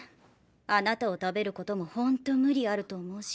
あなたを食べることも本当無理あると思うし。